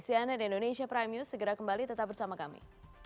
si anet dan indonesia prime news segera kembali tetap bersama kami